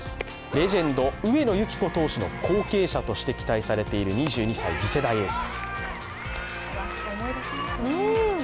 レジェンド・上野由岐子投手の後継者として期待されている２２歳、次世代エース。